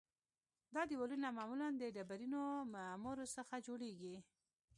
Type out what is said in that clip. دا دیوالونه معمولاً د ډبرینو معمورو څخه جوړیږي